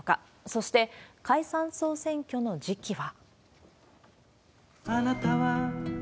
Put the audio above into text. そして、解散・総選挙の次期は。